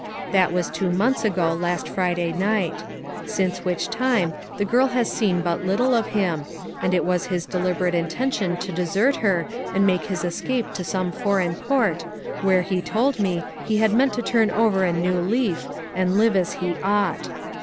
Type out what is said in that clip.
That was two months ago last Friday night; since which time the girl has seen but little of him, and it was his deliberate intention to desert her and make his escape to some foreign port, where, he told me, he had meant to turn over a new leaf, and live as he ought.